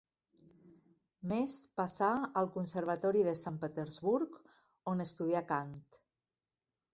Més passà al Conservatori de Sant Petersburg, on estudià cant.